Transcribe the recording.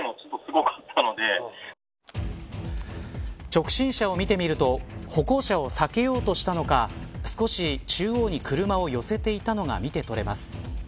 直進車を見てみると歩行者を避けようとしたのか少し中央に車を寄せていたのが見て取れます。